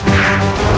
aku akan menangkapmu